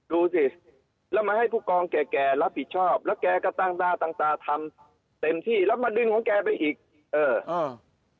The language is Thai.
ดูสิแล้วมาให้ผู้กองแก่แก่รับผิดชอบแล้วแกก็ตั้งตาตั้งตาทำเต็มที่แล้วมาดึงของแกไปอีกเอออ่า